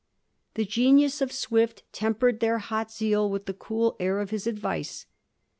The genius of Swift tempered their hot zeal with the cool air of his * advice.'